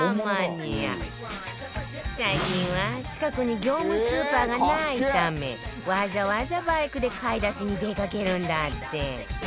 最近は近くに業務スーパーがないためわざわざバイクで買い出しに出かけるんだって